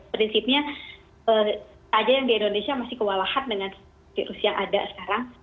prinsipnya saja yang di indonesia masih kewalahan dengan virus yang ada sekarang